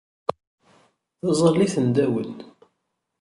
Taẓallit n Dawed.